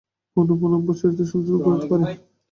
পুনঃপুন অভ্যাসই চরিত্র সংশোধন করিতে পারে।